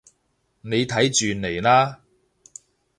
你睇住嚟啦